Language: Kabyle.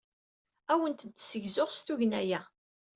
Ad awent-d-ssegzuɣ s tugna-a.